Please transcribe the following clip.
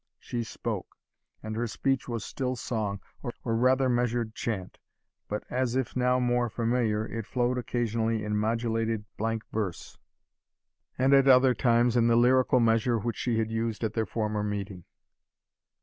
She spoke, and her speech was still song, or rather measured chant; but, as if now more familiar, it flowed occasionally in modulated blank verse, and at other times in the lyrical measure which she had used at their former meeting.